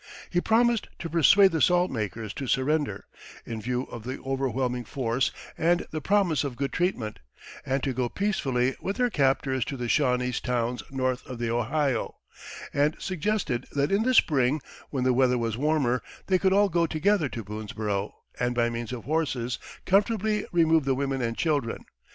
He promised to persuade the salt makers to surrender, in view of the overwhelming force and the promise of good treatment, and to go peacefully with their captors to the Shawnese towns north of the Ohio; and suggested that in the spring, when the weather was warmer, they could all go together to Boonesborough, and by means of horses comfortably remove the women and children.